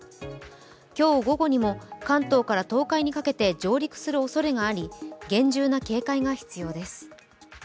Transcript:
今日午後にも関東から東海にかけて上陸するおそれがあり、厳重な警戒が必要です